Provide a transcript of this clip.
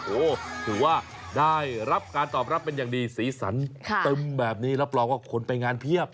โอ้โหถือว่าได้รับการตอบรับเป็นอย่างดีสีสันตึมแบบนี้รับรองว่าคนไปงานเพียบ